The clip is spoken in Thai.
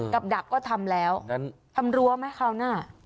กับดักก็ทำแล้วทำรั้วไหมคราวหน้า